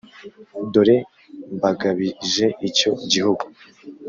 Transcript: dore mbagabije icyo gihugu